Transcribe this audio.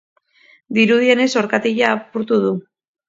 Dirudienez orkatila apurtu du.